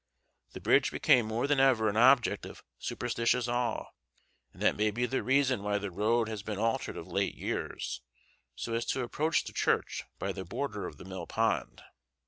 The bridge became more than ever an object of superstitious awe, and that may be the reason why the road has been altered of late years, so as to approach the church by the border of the mill pond.